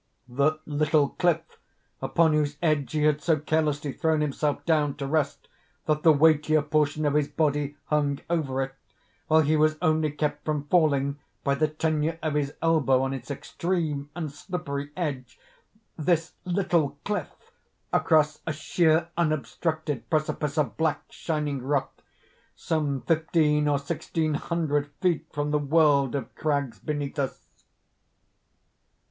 The "little cliff," upon whose edge he had so carelessly thrown himself down to rest that the weightier portion of his body hung over it, while he was only kept from falling by the tenure of his elbow on its extreme and slippery edge—this "little cliff" arose, a sheer unobstructed precipice of black shining rock, some fifteen or sixteen hundred feet from the world of crags beneath us.